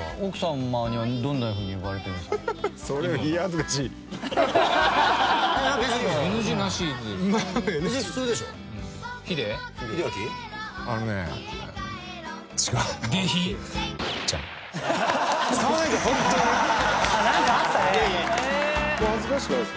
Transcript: もう恥ずかしくないですけど。